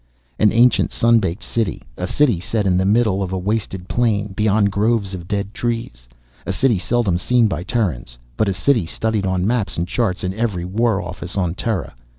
An ancient, sun baked City, a City set in the middle of a wasted plain, beyond groves of dead trees, a City seldom seen by Terrans but a City studied on maps and charts in every War Office on Terra.